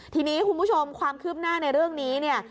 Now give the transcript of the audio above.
ทีนี้คุณผู้ชมความคืบหน้าในเรื่องนี้เนี่ย